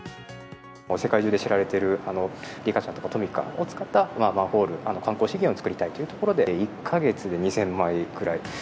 世界中で知られているリカちゃんとかトミカを使ったマンホール、観光資源を作りたいというところで、１か月で２０００枚くらい。